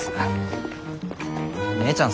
姉ちゃん